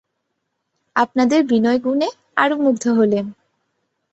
আপনাদের বিনয়গুণে আরো মুগ্ধ হলেম।